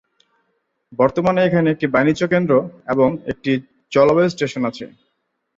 বর্তমানে এখানে একটি বাণিজ্যকেন্দ্র এবং একটি জলবায়ু স্টেশন আছে।